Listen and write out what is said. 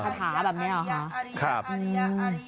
มรรยาริยะอาริยะ